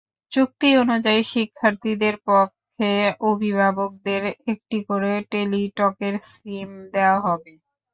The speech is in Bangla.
চুক্তি অনুযায়ী শিক্ষার্থীদের পক্ষে অভিভাবকদের একটি করে টেলিটকের সিম দেওয়া হবে।